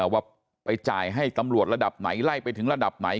ว่าไปจ่ายให้ตำรวจระดับไหนไล่ไปถึงระดับไหน